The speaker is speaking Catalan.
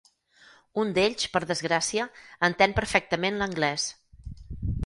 Un d'ells, per desgràcia, entén perfectament l'anglès.